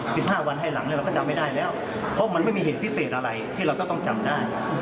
สิบห้าวันให้หลังเนี่ยเราก็จำไม่ได้แล้วเพราะมันไม่มีเหตุพิเศษอะไรที่เราจะต้องจำได้